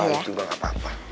enggak balik juga gak apa apa